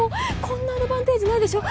こんなアドバンテージないでしょ